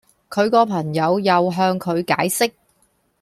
佢個朋友又向佢解釋